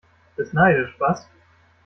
Bist neidisch, was?